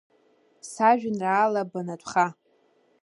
Сажәеинраала банатәха!